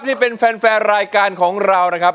ที่เป็นแฟนรายการของเรานะครับ